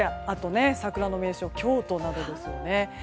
あと、桜の名所京都などですね。